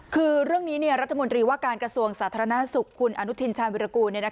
คือเรื่องนี้รัฐมนตรีว่าการกระทรวงสาธารณสุขคุณอนุทินชาญวิรากูล